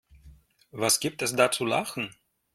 Was gibt es da zu lachen?